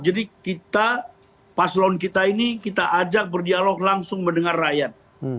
kita paslon kita ini kita ajak berdialog langsung mendengar rakyat